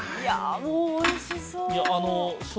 ◆もうおいしそう。